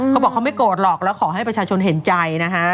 เขาบอกเขาไม่โกรธหรอกแล้วขอให้ประชาชนเห็นใจนะฮะ